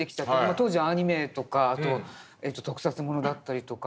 当時はアニメとか特撮ものだったりとか。